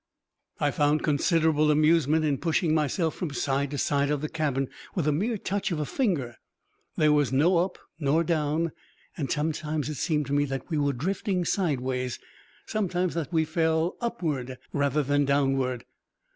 I found considerable amusement in pushing myself from side to side of the cabin with a mere touch of a finger. There was no up nor down, and sometimes it seemed to me that we were drifting sideways, sometimes that we fell upward rather than downward.